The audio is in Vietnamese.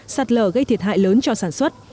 sạt lở gây thiệt hại lớn cho sản xuất